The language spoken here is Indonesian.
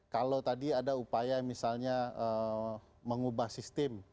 kalau tadi ada upaya misalnya mengubah sistem